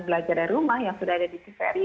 belajar dari rumah yang sudah ada di feri